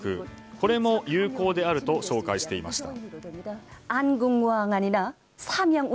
これも有効であると紹介していました。